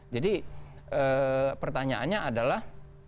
jadi pertanyaannya adalah